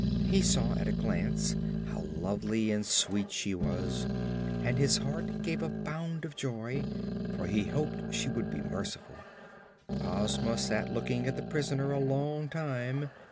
He saw at a glance how lovely and sweet she was, and his heart gave a bound of joy, for he hoped she would be merciful. Ozma sat looking at the prisoner a long time.